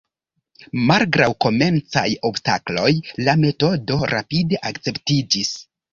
Malgraŭ komencaj obstakloj, la metodo rapide akceptiĝis.